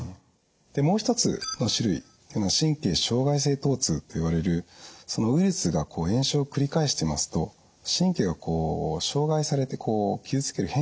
でもう一つの種類というのは神経障害性とう痛といわれるウイルスが炎症を繰り返してますと神経が障害されて傷つける変性するんですね。